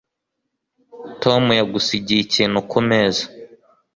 Tom yagusigiye ikintu kumeza